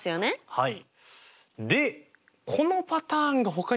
はい。